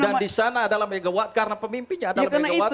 dan di sana adalah megawati karena pemimpinnya adalah megawati